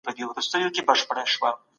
په ژوند کي به مو د بریا نښي ډېري وي.